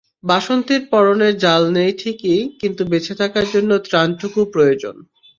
বাসন্তীর পরনে জাল নেই ঠিকই, কিন্তু বেঁচে থাকার জন্য ত্রাণটুকু প্রয়োজন।